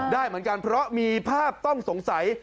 ได้เหมือนกันเพราะมีภาพต้องสงสัย